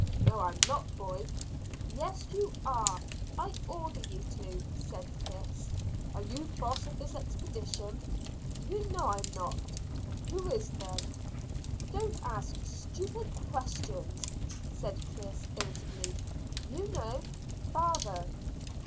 "No, I'm not, boy." "Yes, you are. I order you to," said Chris. "Are you boss of this expedition?" "You know I'm not." "Who is, then?" "Don't ask stupid questions," said Chris irritably. "You know: father."